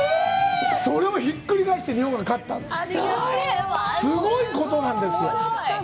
それをひっくり返して、日本が勝ったんです。